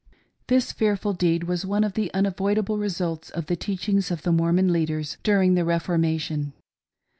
. This fearful deed was one of the unavoidable results of the teachings of the Mormon leaders during the Reformation.